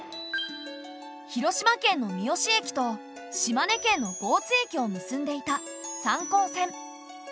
広島県の三次駅と島根県の江津駅を結んでいた三江線。